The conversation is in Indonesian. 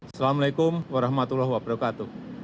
assalamu'alaikum warahmatullahi wabarakatuh